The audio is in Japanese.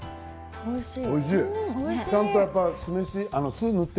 おいしい！